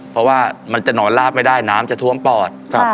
เพราะว่ามันจะนอนลาบไม่ได้น้ำจะท่วมปอด